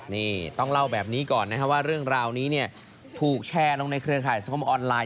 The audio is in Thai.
นี่ต้องเล่าแบบนี้ก่อนนะครับว่าเรื่องราวนี้เนี่ยถูกแชร์ลงในเครือข่ายสังคมออนไลน